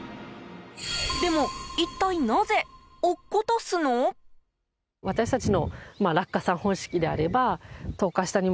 でも、一体なぜ落っことすの？